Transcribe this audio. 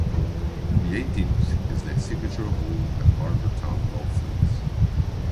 The eighteenth is the signature hole at Harbour Town Golf Links.